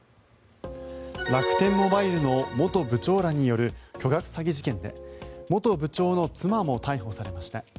楽天モバイルの元部長らによる巨額詐欺事件で元部長の妻も逮捕されました。